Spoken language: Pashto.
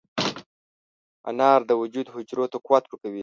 انار د وجود حجرو ته قوت ورکوي.